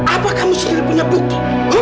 apa kamu siri punya bukti